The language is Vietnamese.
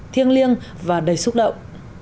thiêng liêng và đầy xúc động